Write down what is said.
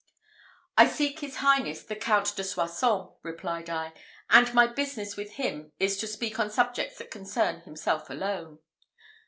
"I seek his Highness the Count de Soissons," replied I; "and my business with him is to speak on subjects that concern himself alone."